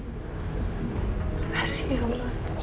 makasih ya allah